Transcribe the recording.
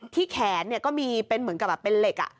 ที่แขนเนี่ยก็มีเป็นเหมือนกับเป็นเหล็กอ่ะ